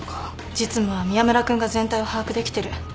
実務は宮村君が全体を把握できてる。